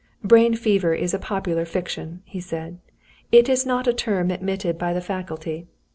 "Brain fever is a popular fiction," he said. "It is not a term admitted by the faculty.